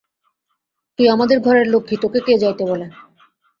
তুই আমাদের ঘরের লক্ষ্মী, তোকে কে যাইতে বলে?